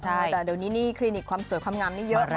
แต่เดี๋ยวนี้คลินิกฤทธิ์ความสวยความงามนี่เยอะ